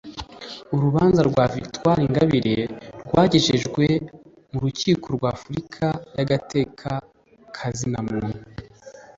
Urubanza rwa Victoire Ingabire rwagejejwe m'urukiko rw'Afurika yagateka kazinamuntu.